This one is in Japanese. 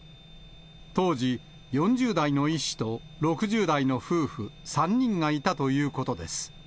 当時、４０代の医師と、６０代の夫婦３人がいたということです。